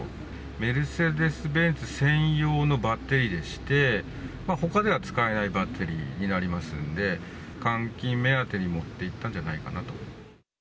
メルセデスベンツ専用のバッテリーでして、ほかでは使えないバッテリーになりますんで、換金目当てに持っていったんじゃないかなと。